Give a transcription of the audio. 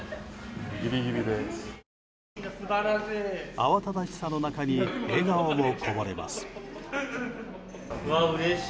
慌ただしさの中に笑顔もこぼれます。